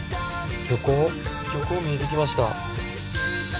漁港見えてきました。